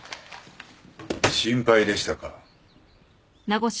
心配でしたか。